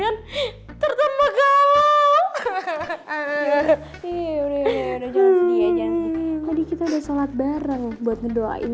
kan tertumpah kalau hahaha iya udah jangan sedih aja tadi kita udah shalat bareng buat ngedoain